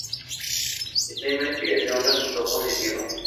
Esta investigación resultó positiva.